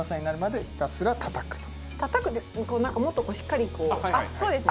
たたくってなんかもっとしっかりこうあっそうですね